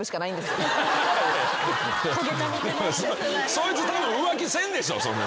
そいつたぶん浮気せんでしょ。